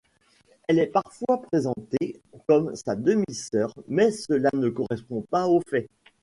Elle est parfois présentée comme sa demi-sœur mais cela ne correspond pas aux faits.